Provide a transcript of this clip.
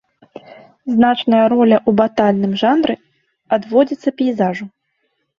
Значная роля ў батальным жанры адводзіцца пейзажу.